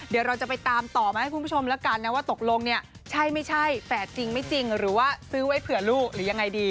เดี๋ยวเราจะไปตามต่อมาให้คุณผู้ชมแล้วกันนะว่าตกลงเนี่ยใช่ไม่ใช่แฝดจริงไม่จริงหรือว่าซื้อไว้เผื่อลูกหรือยังไงดี